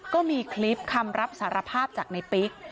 ก็มีคลิปคำรับสารภาพจากในปิ๊ก